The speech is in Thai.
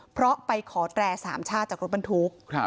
เพราะไปขอแตรสามชาติจากรถบรรทุก